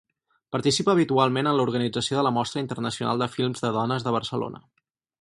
Participa habitualment en l'organització de la Mostra Internacional de Films de Dones de Barcelona.